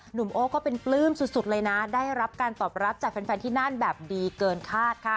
โอก็เป็นปลื้มสุดเลยนะได้รับการตอบรับจากแฟนที่นั่นแบบดีเกินคาดค่ะ